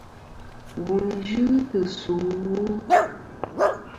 Wù n-yɨ tɨ̀ sù ɨwu.